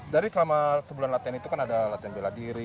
dari selama sebulan latihan itu kan ada latihan bela diri